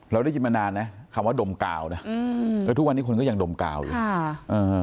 เราได้ยินมานานนะคำว่าดมกาวนะอืมแล้วทุกวันนี้คนก็ยังดมกาวอยู่ค่ะเออ